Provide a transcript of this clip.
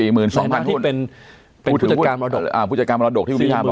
แหละที่เป็นผู้จัดการบรรดก